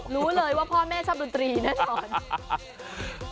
รู้เลยว่าพ่อแม่ชอบดนตรีแน่นอน